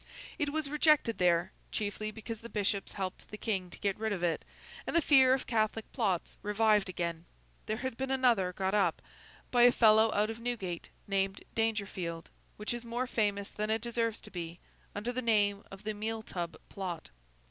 It was rejected there, chiefly because the bishops helped the King to get rid of it; and the fear of Catholic plots revived again. There had been another got up, by a fellow out of Newgate, named Dangerfield, which is more famous than it deserves to be, under the name of the Meal Tub Plot.